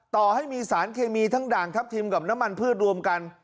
ต่อให้มีสารเคมีทั้งด่างทัพทิมกับน้ำมันพืชรวมกัน